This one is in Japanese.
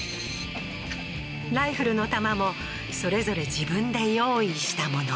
ライフルの弾もそれぞれ自分で用意したもの